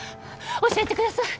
教えてください！